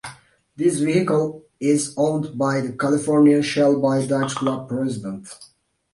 This vehicle is owned by the California Shelby Dodge Club president.